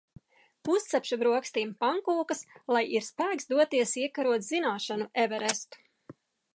Uzcepšu brokastīm pankūkas, lai ir spēks doties iekarot zināšanu Everestu.